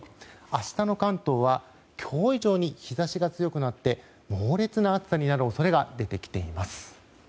明日の関東は今日以上に日差しが強くなって猛烈な暑さになる恐れが出てきています。